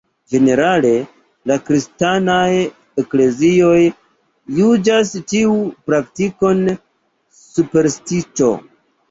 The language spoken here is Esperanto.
Ĝenerale la kristanaj eklezioj juĝas tiun praktikon superstiĉo.